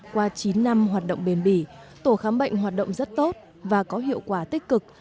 qua chín năm hoạt động bền bỉ tổ khám bệnh hoạt động rất tốt và có hiệu quả tích cực